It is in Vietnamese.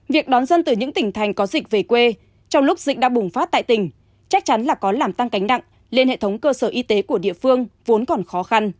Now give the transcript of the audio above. việc đón dân từ những tỉnh thành có dịch về quê trong lúc dịch đã bùng phát tại tỉnh chắc chắn là có làm tăng cánh nặng lên hệ thống cơ sở y tế của địa phương vốn còn khó khăn